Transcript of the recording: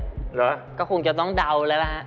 เหรอครับก็คงจะต้องเดาแล้วนะครับ